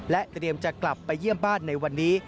เตรียมจะกลับไปเยี่ยมบ้านในวันนี้